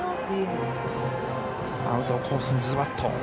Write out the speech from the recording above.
アウトコースにズバッと。